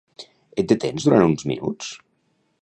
Et detens durant uns minuts?